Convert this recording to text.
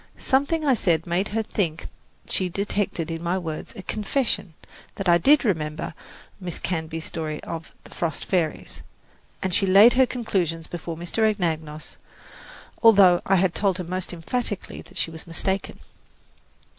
Something I said made her think she detected in my words a confession that I did remember Miss Canby's story of "The Frost Fairies," and she laid her conclusions before Mr. Anagnos, although I had told her most emphatically that she was mistaken.